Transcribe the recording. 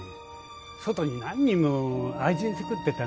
外に何人も愛人作ってたんだ。